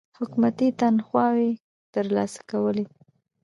حکومتي تنخواوې تر لاسه کولې.